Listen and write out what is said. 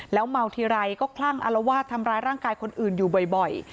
เมาทีไรก็คลั่งอารวาสทำร้ายร่างกายคนอื่นอยู่บ่อย